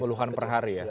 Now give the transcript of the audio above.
puluhan per hari ya